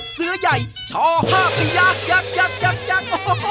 เสื้อใหญ่ชอห้าพระยักษ์ยักษ์ยักษ์ยักษ์ยักษ์โอ้โฮ